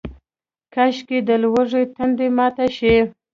کاشکي، د لوږې تنده ماته شي